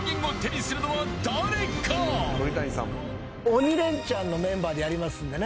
『鬼レンチャン』のメンバーでやりますんでね。